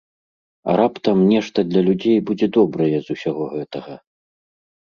А раптам нешта для людзей будзе добрае з усяго гэтага.